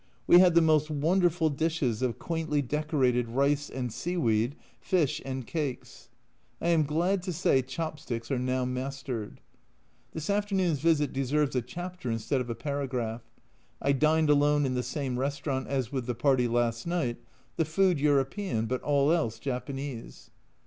We had the most wonderful dishes of quaintly decorated rice and sea weed, fish, and cakes. I am glad to say chop sticks A Journal from Japan 7 are now mastered. This afternoon's visit deserves a chapter instead of a paragraph. I dined alone in the same restaurant as with the party last night, the food European, but all else Japanese.